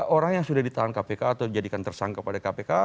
orang yang sudah ditahan kpk atau dijadikan tersangka pada kpk